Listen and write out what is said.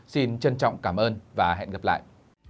xin trân trọng cảm ơn và hẹn gặp lại